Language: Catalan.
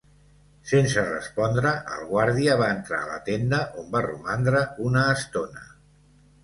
Sense respondre, el guàrdia va entrar a la tenda, on va romandre una estona.